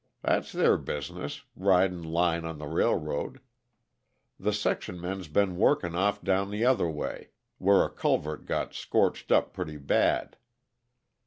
That's their business ridin' line on the railroad. The section men's been workin' off down the other way, where a culvert got scorched up pretty bad.